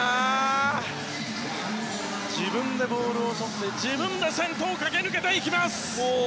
自分でボールをとって自分で先頭を駆け抜けていきます。